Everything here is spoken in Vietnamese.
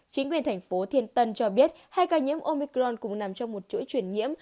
chính quyền thành phố thiên tân cho biết hai ca nhiễm omicron cùng nằm trong một chuỗi chuyển nhiễm